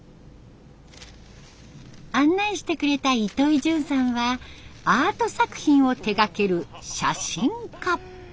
案内してくれた糸井潤さんはアート作品を手がける写真家。